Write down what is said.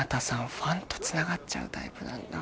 ファンとつながっちゃうタイプなんだ